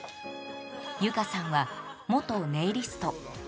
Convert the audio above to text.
由香さんは元ネイリスト。